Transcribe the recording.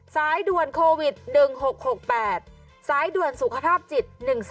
สายด่วนโควิด๑๖๖๘สายด่วนสุขภาพจิต๑๓